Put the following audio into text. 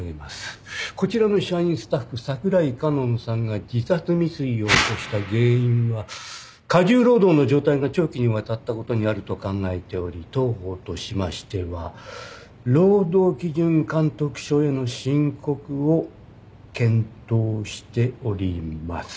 こちらの社員スタッフ櫻井佳音さんが自殺未遂を起こした原因は過重労働の状態が長期にわたったことにあると考えており当方としましては労働基準監督署への申告を検討しております。